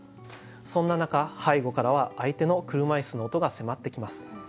そんな中背後からは相手の車いすの音が迫ってきます。